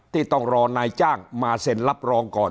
ต้องรอนายจ้างมาเซ็นรับรองก่อน